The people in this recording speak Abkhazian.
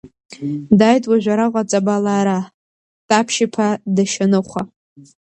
Дааит уажә араҟа ҵабалаа раҳ Таԥшь-иԥа Дашьаныхәа.